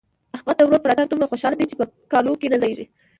احمد د ورور په راتګ دومره خوشاله دی چې په کالو کې نه ځايېږي.